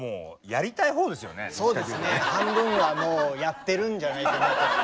そうですね半分はもうやってるんじゃないかなと。